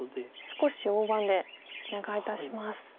少し大盤でお願いいたします。